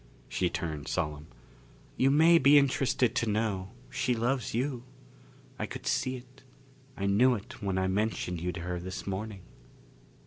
She turned solemn. "You may be interested to know, she loves you. I could see it. I knew it when I mentioned you to her this morning."